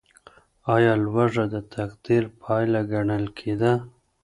ايا لوږه د تقدير پايله ګڼل کيده؟